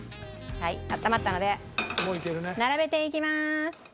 はいあったまったので並べていきます。